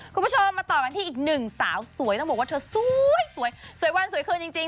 คุณผู้ชมมาต่อกันที่อีกหนึ่งสาวสวยต้องบอกว่าเธอสวยสวยวันสวยคืนจริง